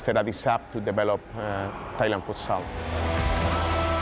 ที่จะสร้างเทียมฟุตซอลไทย